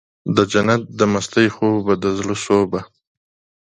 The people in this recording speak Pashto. دجنت د مستۍ خوبه د زړه سوبه